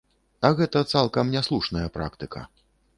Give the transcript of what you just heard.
А гэта цалкам няслушная практыка.